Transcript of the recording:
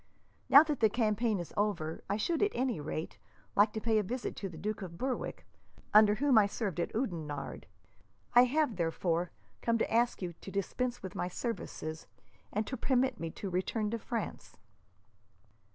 Now that the campaign is over, I should, at any rate, like to pay a visit to the Duke of Berwick, under whom I served at Oudenarde. I have, therefore, come to ask you to dispense with my services, and to permit me to return to France."